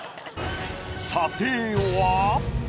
査定は。